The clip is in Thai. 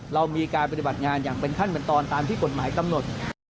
เรามีการปฏิบัติงานอย่างเป็นขั้นเป็นตอนตามที่กฎหมายกำหนด